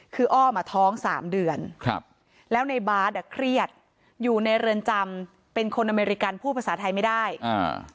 คืออ้อมอ่ะท้องสามเดือนครับแล้วในบาร์ดอ่ะเครียดอยู่ในเรือนจำเป็นคนอเมริกันพูดภาษาไทยไม่ได้อ่า